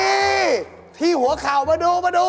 นี่ที่หัวข่าวมาดู